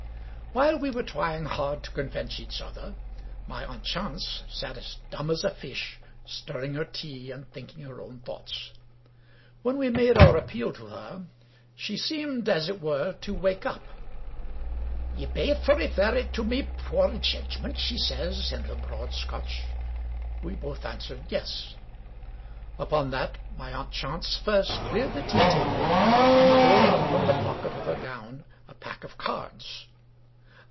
While we were trying hard to convince each other, my aunt Chance sat as dumb as a fish, stirring her tea and thinking her own thoughts. When we made our appeal to her, she seemed as it were to wake up. " Ye baith refer it to my puir judgment?" she says, in her broad Scotch. We both answered Yes, Upon that my aunt Chance first cleared the tea table, and then pulled out from the pocket of her gown a pack of cards.